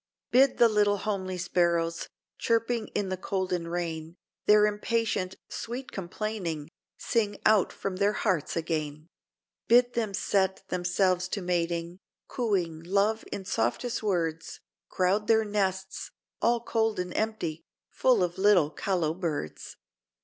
"Bid the little homely sparrows, Chirping in the cold and rain, Their impatient, sweet complaining, Sing out from their hearts again; Bid them set themselves to mating, Cooing love in softest words, Crowd their nests, all cold and empty, Full of little callow birds."